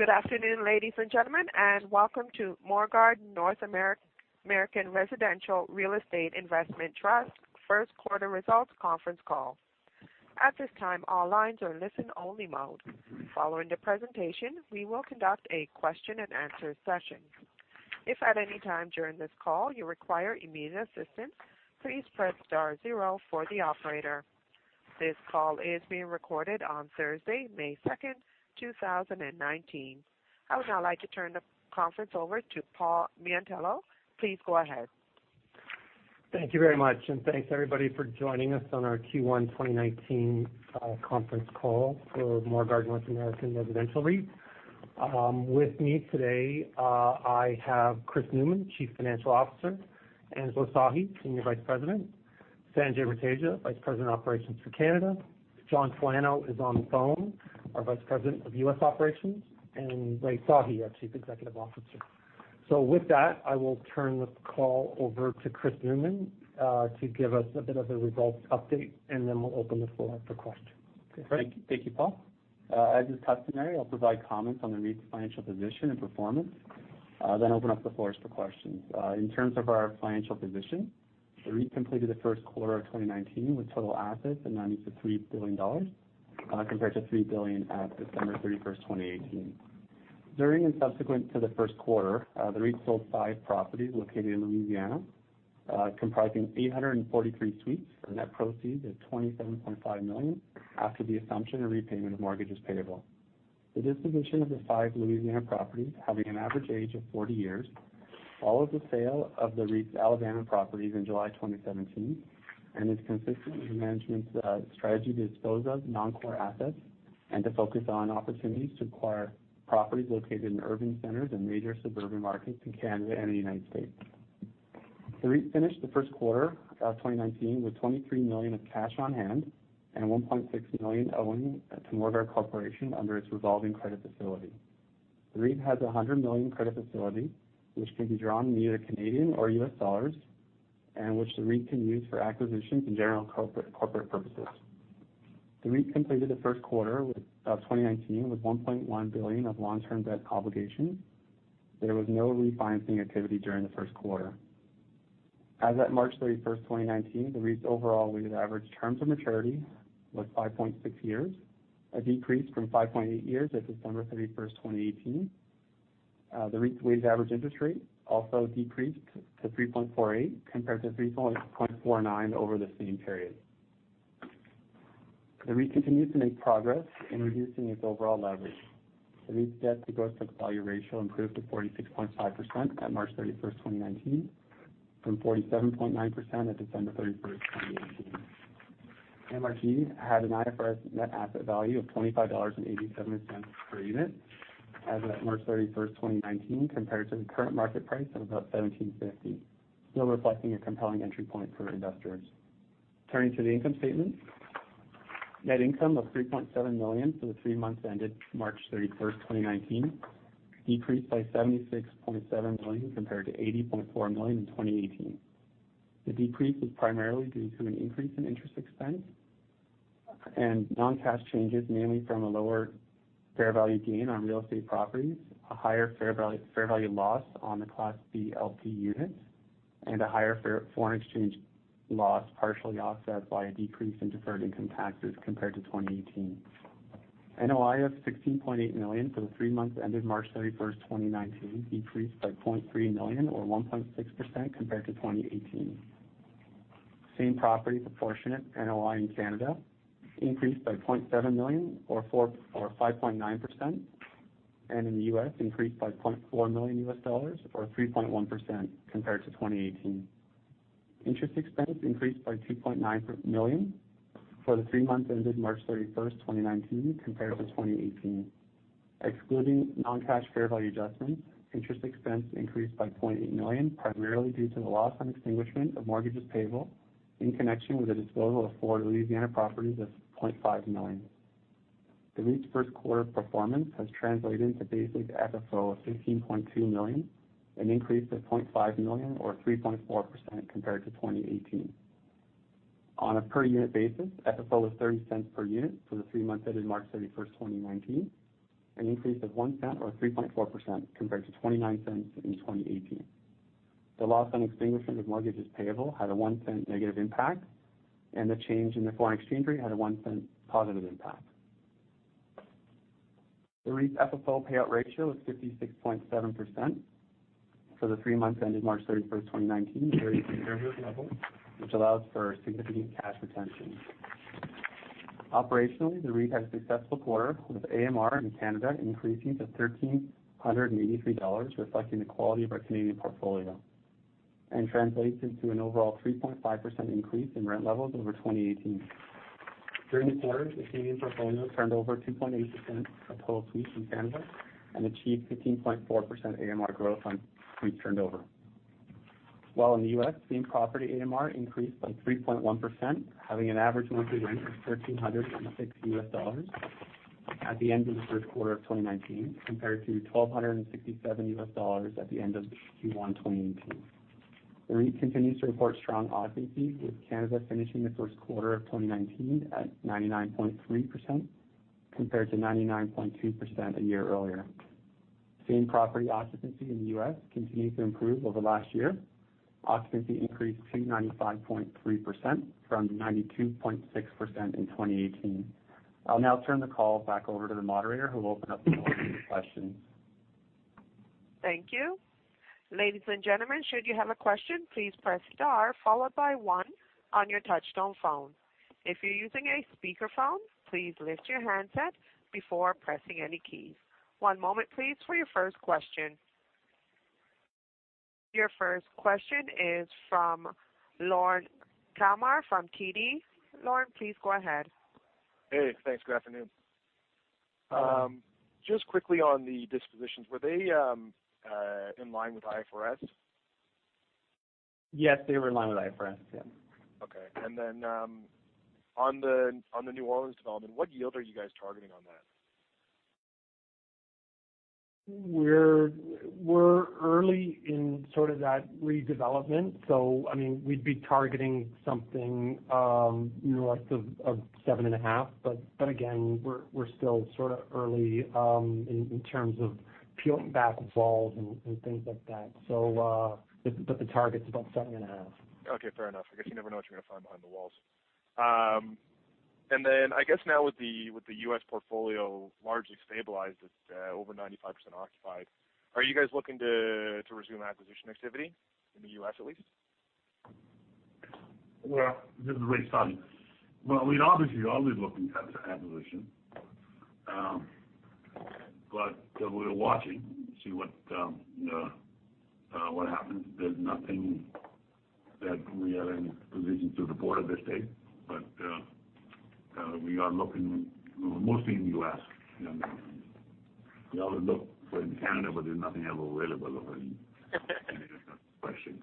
Good afternoon, ladies and gentlemen, and welcome to Morguard North American Residential Real Estate Investment Trust first quarter results conference call. At this time, all lines are listen-only mode. Following the presentation, we will conduct a question and answer session. If at any time during this call you require immediate assistance, please press star zero for the operator. This call is being recorded on Thursday, May 2nd, 2019. I would now like to turn the conference over to Paul Miatello. Please go ahead. Thank you very much, thank you everybody for joining us on our Q1 2019 conference call for Morguard North American Residential REIT. With me today, I have Chris Newman, Chief Financial Officer, Angela Sahi, Senior Vice President, Sanjay Rateja, Vice President Operations for Canada. John Talano is on the phone, our Vice President of U.S. Operations, and Rai Sahi, our Chief Executive Officer. With that, I will turn this call over to Chris Newman to give us a bit of a results update, we'll open the floor up for questions. Okay, Chris. Thank you, Paul. As is customary, I'll provide comments on the REIT's financial position and performance, open up the floor for questions. In terms of our financial position, the REIT completed the first quarter of 2019 with total assets of 93 billion dollars, compared to 3 billion at December 31st, 2018. During and subsequent to the first quarter, the REIT sold five properties located in Louisiana, comprising 843 suites for net proceeds of 27.5 million after the assumption of repayment of mortgages payable. The disposition of the five Louisiana properties, having an average age of 40 years, followed the sale of the REIT's Alabama properties in July 2017 and is consistent with management's strategy to dispose of non-core assets and to focus on opportunities to acquire properties located in urban centers and major suburban markets in Canada and the U.S. The REIT finished the first quarter of 2019 with 23 million of cash on hand and 1.6 million owing to Morguard Corporation under its revolving credit facility. The REIT has 100 million credit facility, which can be drawn in either Canadian or U.S. dollars, and which the REIT can use for acquisitions and general corporate purposes. The REIT completed the first quarter of 2019 with 1.1 billion of long-term debt obligations. There was no refinancing activity during the first quarter. As at March 31st, 2019, the REIT's overall weighted average terms of maturity was 5.6 years, a decrease from 5.8 years at December 31st, 2018. The REIT's weighted average interest rate also decreased to 3.48% compared to 3.49% over the same period. The REIT continues to make progress in reducing its overall leverage. The REIT's debt to gross book value ratio improved to 46.5% at March 31st, 2019, from 47.9% at December 31st, 2018. MRG.UN had an IFRS net asset value of 25.87 dollars per unit as of March 31st, 2019, compared to the current market price of about 17.50, still reflecting a compelling entry point for investors. Turning to the income statement. Net income of 3.7 million for the three months ended March 31st, 2019, decreased by 76.7 million compared to 80.4 million in 2018. The decrease was primarily due to an increase in interest expense and non-cash changes, mainly from a lower fair value gain on real estate properties, a higher fair value loss on the Class B LP units, and a higher foreign exchange loss, partially offset by a decrease in deferred income taxes compared to 2018. NOI of 16.8 million for the three months ended March 31st, 2019, decreased by 0.3 million or 1.6% compared to 2018. Same property proportionate NOI in Canada increased by 0.7 million or 5.9%, and in the U.S. increased by $0.4 million or 3.1% compared to 2018. Interest expense increased by 2.9 million for the three months ended March 31st, 2019, compared to 2018. Excluding non-cash fair value adjustments, interest expense increased by 0.8 million primarily due to the loss on extinguishment of mortgages payable in connection with the disposal of four Louisiana properties of 0.5 million. The REIT's first quarter performance has translated into basic FFO of 15.2 million, an increase of 0.5 million or 3.4% compared to 2018. On a per-unit basis, FFO was 0.30 per unit for the three months ended March 31st, 2019, an increase of 0.01 or 3.4% compared to 0.29 in 2018. The loss on extinguishment of mortgages payable had a 0.01 negative impact, and the change in the foreign exchange rate had a 0.01 positive impact. The REIT's FFO payout ratio was 56.7% for the three months ended March 31st, 2019, a very conservative level, which allows for significant cash retention. Operationally, the REIT had a successful quarter with AMR in Canada increasing to 1,383 dollars, reflecting the quality of our Canadian portfolio, and translates into an overall 3.5% increase in rent levels over 2018. During the quarter, the Canadian portfolio turned over 2.8% of total suites in Canada and achieved 15.4% AMR growth on suites turned over. While in the U.S., same property AMR increased by 3.1%, having an average monthly rent of $1,366 at the end of the first quarter of 2019, compared to $1,267 at the end of Q1 2018. The REIT continues to report strong occupancy, with Canada finishing the first quarter of 2019 at 99.3%, compared to 99.2% a year earlier. Same property occupancy in the U.S. continued to improve over last year. Occupancy increased to 95.3%, from 92.6% in 2018. I'll now turn the call back over to the moderator, who will open up the floor for questions. Thank you. Ladies and gentlemen, should you have a question, please press star followed by one on your touch-tone phone. If you're using a speakerphone, please lift your handset before pressing any keys. One moment, please, for your first question. Your first question is from Lorne Kalmar from TD. Lorne, please go ahead. Hey, thanks. Good afternoon. Hi. Just quickly on the dispositions, were they in line with IFRS? Yes, they were in line with IFRS. Yeah. Okay. On the New Orleans development, what yield are you guys targeting on that? We're early in that redevelopment. We'd be targeting something north of 7.5. Again, we're still early in terms of peeling back walls and things like that. The target's about 7.5. Okay, fair enough. I guess you never know what you're going to find behind the walls. I guess now with the U.S. portfolio largely stabilized at over 95% occupied, are you guys looking to resume acquisition activity in the U.S. at least? Well, this is Rai Sahi. Well, we'd obviously always looking at acquisition. We're watching to see what happens. There's nothing that we are in position to report at this stage. We are looking mostly in the U.S. We always look for in Canada, but there's nothing ever available over in Canada, that's the question.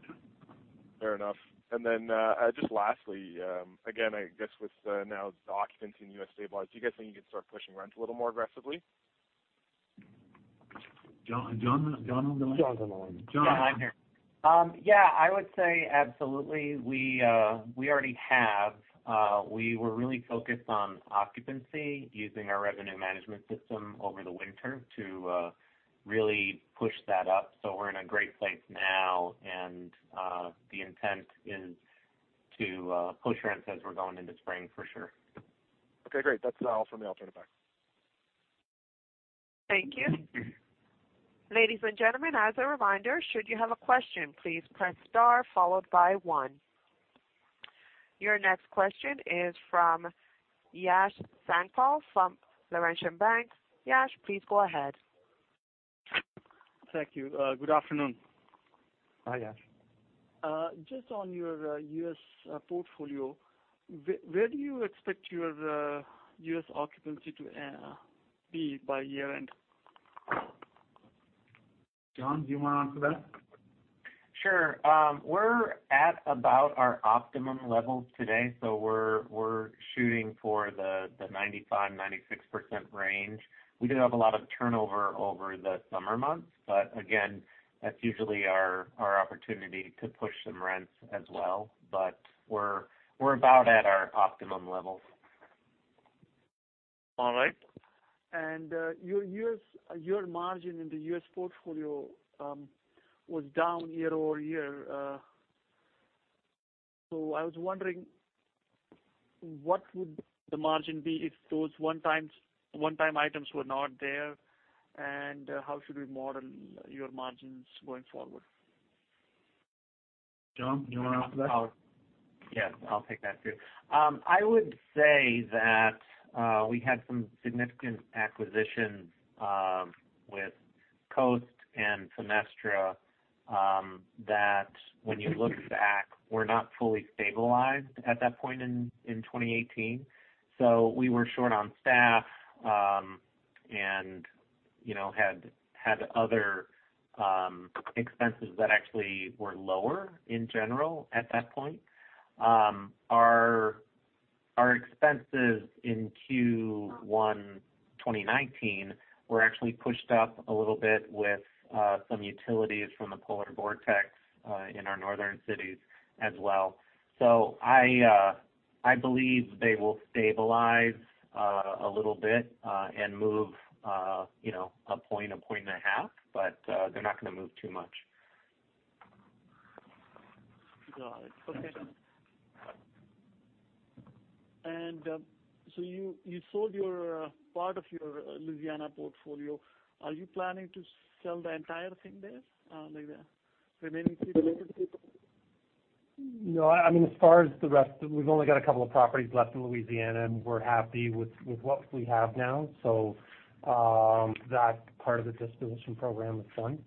Fair enough. Just lastly, again, I guess with now the occupancy in the U.S. stabilized, do you guys think you can start pushing rent a little more aggressively? John Talano? John Talano. John. John Talano here. I would say absolutely. We already have. We were really focused on occupancy using our revenue management system over the winter to really push that up. We're in a great place now, and the intent is to push rents as we're going into spring for sure. Great. That's all for me. I'll turn it back. Thank you. Ladies and gentlemen, as a reminder, should you have a question, please press star followed by one. Your next question is from Yash Sankpal from Laurentian Bank. Yash, please go ahead. Thank you. Good afternoon. Hi, Yash. Just on your U.S. portfolio, where do you expect your U.S. occupancy to be by year-end? John, do you want to answer that? Sure. We're at about our optimum levels today, so we're shooting for the 95%, 96% range. We do have a lot of turnover over the summer months, but again, that's usually our opportunity to push some rents as well. We're about at our optimum levels. All right. Your margin in the U.S. portfolio was down year-over-year. I was wondering what would the margin be if those one-time items were not there, and how should we model your margins going forward? John, do you want to answer that? Yes, I'll take that too. I would say that we had some significant acquisitions with Coast and Fenestra that when you look back, were not fully stabilized at that point in 2018. We were short on staff and had other expenses that actually were lower in general at that point. Our expenses in Q1 2019 were actually pushed up a little bit with some utilities from the polar vortex in our northern cities as well. I believe they will stabilize a little bit and move a point, a point and a half, but they're not going to move too much. Got it. Okay. You sold part of your Louisiana portfolio. Are you planning to sell the entire thing there, like the remaining three properties? No. As far as the rest, we've only got a couple of properties left in Louisiana, and we're happy with what we have now. That part of the disposition program is done.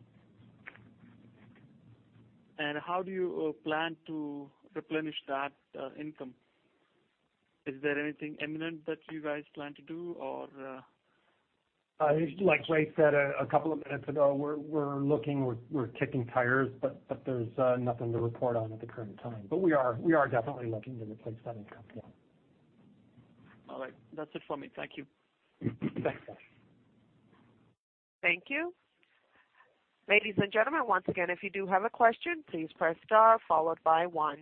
How do you plan to replenish that income? Is there anything imminent that you guys plan to do or Like Rai said a couple of minutes ago, we're looking, we're kicking tires, but there's nothing to report on at the current time. We are definitely looking to replace that income, yeah. All right. That's it for me. Thank you. Thanks, Yash. Thank you. Ladies and gentlemen, once again, if you do have a question, please press star followed by one.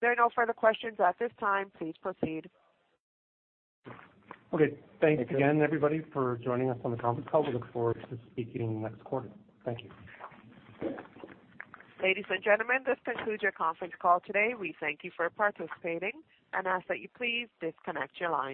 There are no further questions at this time. Please proceed. Okay. Thanks again, everybody, for joining us on the conference call. We look forward to speaking next quarter. Thank you. Ladies and gentlemen, this concludes your conference call today. We thank you for participating and ask that you please disconnect your lines.